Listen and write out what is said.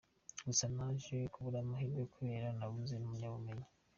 Gusa naje kubura amahirwe kubera nabuze impamyabumenyi.